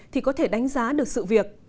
thì có thể đánh giá được sự việc